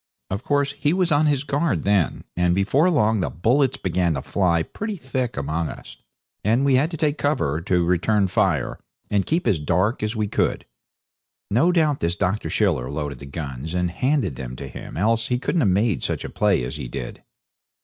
Of course he was on his guard then, and before long the bullets began to fly pretty thick among us, and we had to take cover to return fire and keep as dark as we could. No doubt this Dr. Schiller loaded the guns and handed them to him, else he couldn't have made such play as he did.